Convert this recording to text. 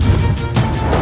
kalau kamu semua